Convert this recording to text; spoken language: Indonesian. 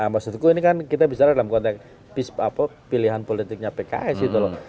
maksudku ini kan kita bicara dalam konteks pilihan politiknya pks gitu loh